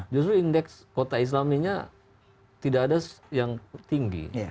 justru indeks kota islaminya tidak ada yang tinggi